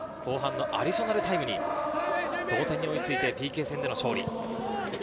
後半のアディショナルタイムに同点に追いついて、ＰＫ戦での勝利。